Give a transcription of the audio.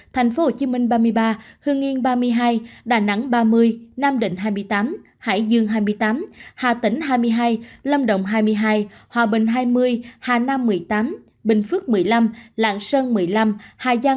thành phố hồ chí minh ba mươi ba hương yên ba mươi hai đà nẵng ba mươi nam định hai mươi tám hải dương hai mươi tám hà tỉnh hai mươi hai lâm động hai mươi hai hòa bình hai mươi hà nam một mươi tám bình phước một mươi năm lạng sơn một mươi năm hà giang một mươi năm